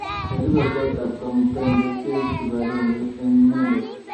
Ye kibe kot ab Kamuktaindet keeku kibagengeit eng Inendet